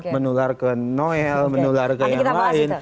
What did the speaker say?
menular ke noel menular ke yang lain